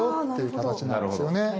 形になるんですよね。